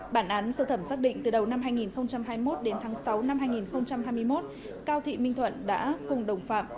bản án sơ thẩm xác định từ đầu năm hai nghìn hai mươi một đến tháng sáu năm hai nghìn hai mươi một cao thị minh thuận đã cùng đồng phạm